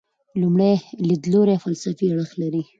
لومړی لیدلوری فلسفي اړخ لري.